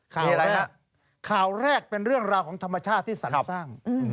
อะไรฮะข่าวแรกเป็นเรื่องราวของธรรมชาติที่สรรสร้าง